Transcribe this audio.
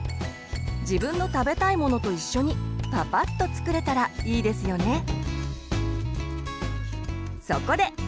自分の食べたいものと一緒にパパッと作れたらいいですよね。